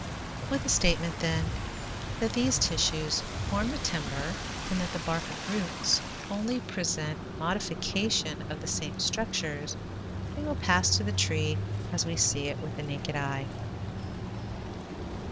With the statement, then, that these tissues form the timber, and that the bark and roots only present a modification of the same structures, we will pass to the tree as we see it with the naked eye.